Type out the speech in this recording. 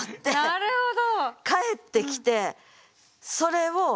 なるほど。